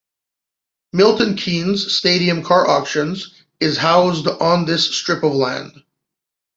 Milton Keynes Stadium Car Auctions is housed on this strip of land.